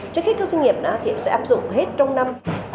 trước hết các doanh nghiệp thì sẽ áp dụng hết trong năm hai nghìn một mươi chín